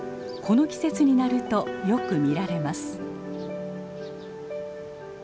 この季節になるとよく見られます。